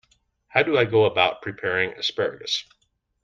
How do I go about preparing asparagus?